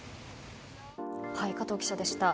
加藤記者でした。